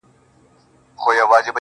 درد ناځوانه بيا زما، ټول وجود نيولی دی,